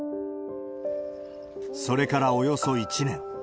それからおよそ１年。